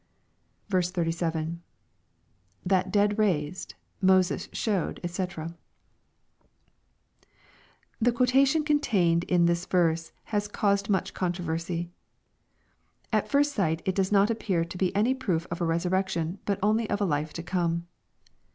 37. — [Thai dead raised..,Mose8 showed, dtc] The quotation containea in this verse has caused much controversy. At first sight it does not appear to be any proof of a resurrection, but only of a life to come.